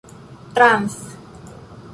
trans